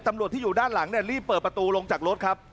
ตำรวจที่อยู่ด้านหลังเนี่ยรีบเปิดประตูลงจากรถครับ